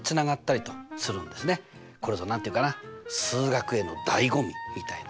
これぞ何て言うかな「数学Ａ」の醍醐味みたいなね。